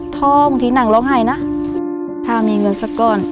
ผมที่หนังร้องไหวนะถ้ามีเงินสักขิง